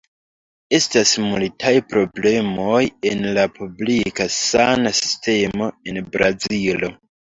Estas multaj problemoj en la publika sana sistemo en Brazilo.